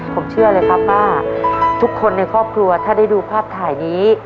ผมเชื่อเลยครับว่าทุกคนในครอบครัวถ้าได้ดูภาพถ่ายนี้